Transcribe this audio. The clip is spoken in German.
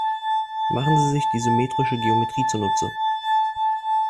Machen Sie sich die symmetrische Geometrie zunutze.